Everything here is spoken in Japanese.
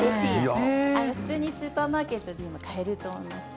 普通にスーパーマーケットでも買えると思います。